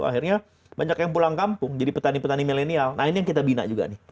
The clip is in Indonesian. akhirnya banyak yang pulang kampung jadi petani petani milenial nah ini yang kita bina juga nih